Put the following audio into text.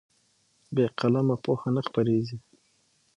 بې قلمه پوهه نه خپرېږي.